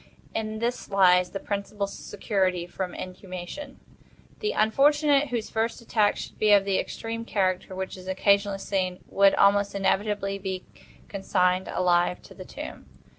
In this lies the principal security from inhumation. The unfortunate whose first attack should be of the extreme character which is occasionally seen, would almost inevitably be consigned alive to the tomb.